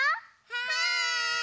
はい！